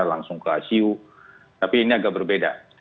langsung ke icu tapi ini agak berbeda